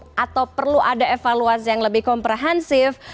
atau perlu ada evaluasi yang lebih komprehensif